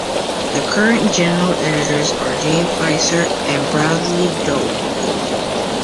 The current general editors are James Fieser and Bradley Dowden.